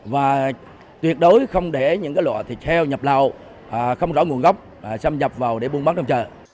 và tuyệt đối không để những loại thịt heo nhập lậu không rõ nguồn gốc xâm nhập vào để buôn bắt trong chợ